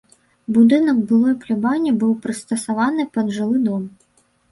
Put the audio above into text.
Будынак былой плябаніі быў прыстасаваны пад жылы дом.